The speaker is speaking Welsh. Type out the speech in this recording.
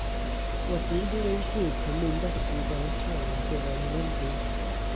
Wedyn bydd ein grŵp yn mynd ati i baratoi ar gyfer yr ymgyrch